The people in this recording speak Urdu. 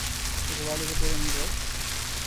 اس حوالے سے پرا مید ہے۔